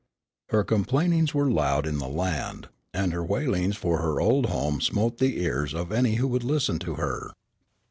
Her complainings were loud in the land, and her wailings for her old home smote the ears of any who would listen to her.